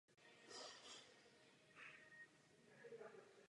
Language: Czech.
Často je nazývána jako sociálně emocionální kompetence.